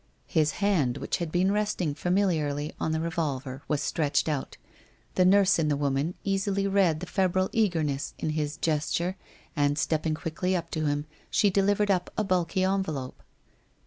His hand, which had been resting familiarly on the re volver, was stretched out. The nurse in the woman easily read the febrile eagerness in his gesture, and stepping quickly up to him, she delivered up a bulky envelope.